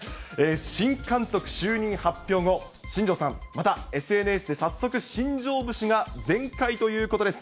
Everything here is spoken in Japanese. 新監督就任発表後、新庄さん、またＳＮＳで早速、新庄節が全開ということです。